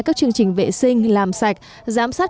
các chương trình vệ sinh làm sạch giám sát